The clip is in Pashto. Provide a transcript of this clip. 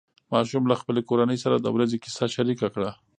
ماشوم له خپلې کورنۍ سره د ورځې کیسه شریکه کړه